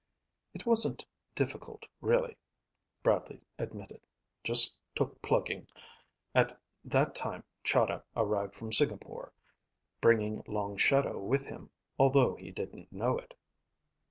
"It wasn't difficult, really," Bradley admitted. "Just took plugging. At that time, Chahda arrived from Singapore, bringing Long Shadow with him, although he didn't know it."